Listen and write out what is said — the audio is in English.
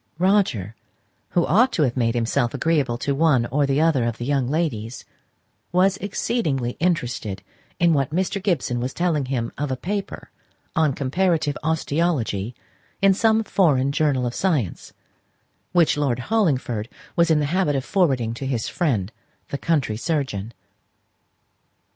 Roger, who ought to have made himself agreeable to one or the other of the young ladies, was exceedingly interested in what Mr. Gibson was telling him of a paper on comparative osteology in some foreign journal of science, which Lord Hollingford was in the habit of forwarding to his friend the country surgeon.